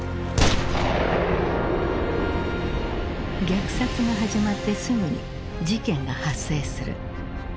虐殺が始まってすぐに事件が発生する。